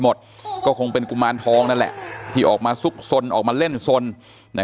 หมดก็คงเป็นกุมารทองนั่นแหละที่ออกมาซุกสนออกมาเล่นสนนะ